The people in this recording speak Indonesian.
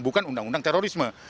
bukan undang undang terorisme